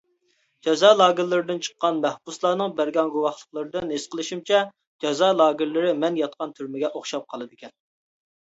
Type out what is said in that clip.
جازا لاگېرلىرىدىن چىققان مەھبۇسلارنىڭ بەرگەن گۇۋاھلىقلىرىدىن ھېس قىلىشىمچە، جازا لاگېرلىرى مەن ياتقان تۈرمىگە ئوخشاپ قالىدىكەن.